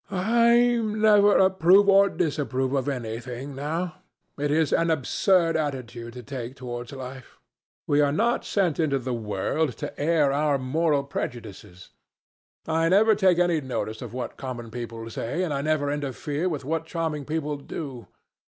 "I never approve, or disapprove, of anything now. It is an absurd attitude to take towards life. We are not sent into the world to air our moral prejudices. I never take any notice of what common people say, and I never interfere with what charming people do.